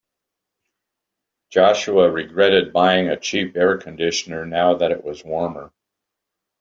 Joshua regretted buying a cheap air conditioner now that it was warmer.